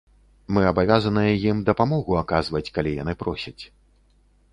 Мы абавязаныя ім дапамогу аказваць, калі яны просяць.